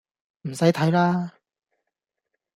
唔使睇喇